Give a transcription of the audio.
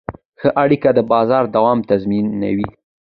ښه اړیکې د بازار دوام تضمینوي.